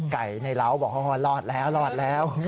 ในร้าวบอกว่ารอดแล้วรอดแล้ว